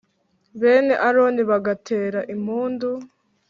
bene Aroni bagatera impundu,